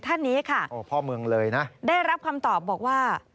ท่านนี้ค่ะได้รับคำตอบบอกว่า